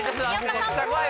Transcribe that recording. めっちゃ怖い。